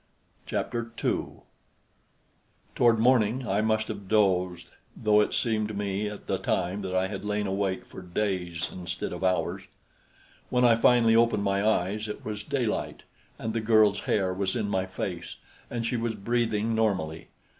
Chapter 2 Toward morning, I must have dozed, though it seemed to me at the time that I had lain awake for days, instead of hours. When I finally opened my eyes, it was daylight, and the girl's hair was in my face, and she was breathing normally.